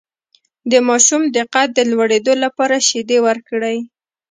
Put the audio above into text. د ماشوم د قد د لوړیدو لپاره شیدې ورکړئ